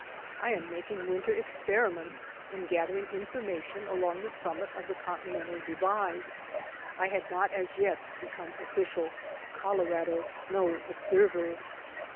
"I am making winter experiments and gathering in formation along the summit of the Continental Divide." I had not as yet become official "Colo rado Snow Observer."